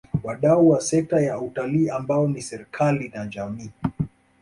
Wadau wa sekta ya Utalii ambao ni serikali na jamii